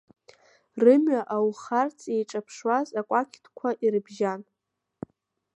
Рымҩа аухарц, еиҿаԥшуаз акәақьҭқәа ирыбжьан.